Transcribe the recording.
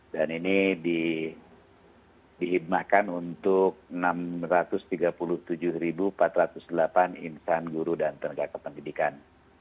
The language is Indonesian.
dan ini dihidmakan untuk enam ratus tiga puluh tujuh empat ratus delapan insan guru dan tenaga kependidikan